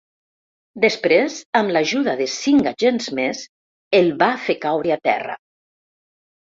Després, amb l’ajuda de cinc agents més, el va fer caure a terra.